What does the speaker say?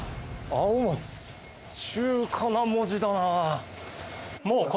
中華な文字だな。